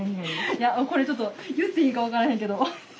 いやこれちょっと言っていいか分からへんけど。